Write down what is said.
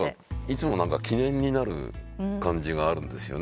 いつも記念になる感じがあるんですよね。